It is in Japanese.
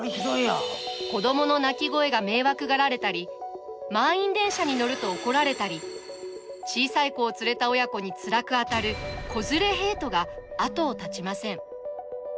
子どもの泣き声が迷惑がられたり満員電車に乗ると怒られたり小さい子を連れた親子につらく当たる子連れヘイトが後を絶ちません。